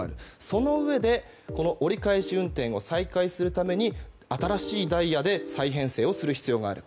そのうえで折り返し運転を再開するために新しいダイヤで再編成をする必要がある。